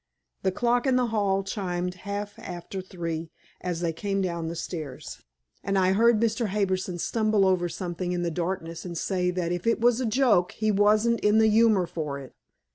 The clock in the hall chimed half after three as they came down the stairs, and I heard Mr. Harbison stumble over something in the darkness and say that if it was a joke, he wasn't in the humor for it.